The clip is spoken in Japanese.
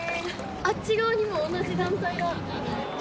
あっち側にも同じ団体が。